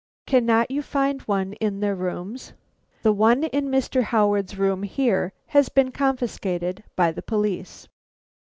Cannot you find one in their rooms? The one in Mr. Howard's room here has been confiscated by the police.